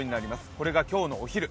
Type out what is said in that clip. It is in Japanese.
これが今日のお昼。